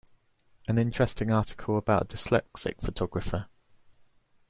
An interesting article about a dyslexic photographer.